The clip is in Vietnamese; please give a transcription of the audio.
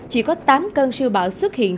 chỉ có tám cân siêu bão xuất hiện